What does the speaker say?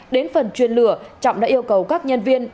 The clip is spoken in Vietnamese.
đến phần chuyên lửa trọng đã yêu cầu các nhân viên